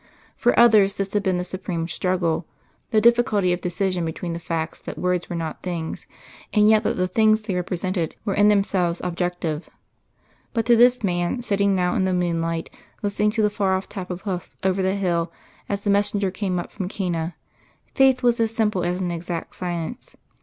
For others this had been the supreme struggle the difficulty of decision between the facts that words were not things, and yet that the things they represented were in themselves objective. But to this man, sitting now in the moonlight, listening to the far off tap of hoofs over the hill as the messenger came up from Cana, faith was as simple as an exact science.